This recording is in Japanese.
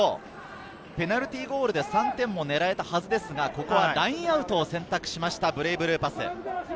ペナルティーゴールで３点を狙いたいはずですが、ラインアウトを選択しました、ブレイブルーパス。